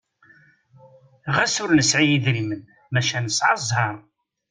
Ɣas ur nesɛi idrimen maca nesɛa zzheṛ!